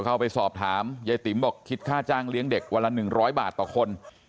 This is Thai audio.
เข้าไปสอบถามยายติ๋มบอกคิดค่าจ้างเลี้ยงเด็กวันละ๑๐๐บาทต่อคน